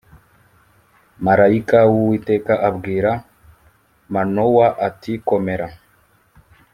marayika w uwiteka abwira manowa ati komera